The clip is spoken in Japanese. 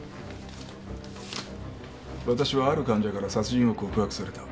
「私はある患者から殺人を告白された」